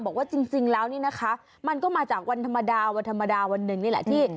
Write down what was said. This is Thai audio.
บอกว่าจริงแล้วนี่นะคะมันก็มาจากวันธรรมดาวันธรรมดาวันหนึ่งนี่แหละที่